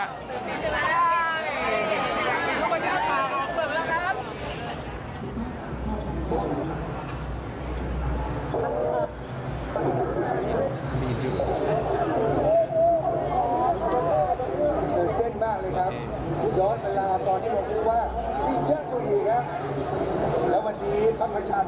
ฟังเสียงหน่อยครับ